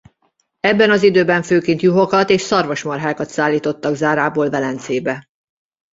Ebben az időben főként juhokat és szarvasmarhákat szállítottak Zárából Velencébe.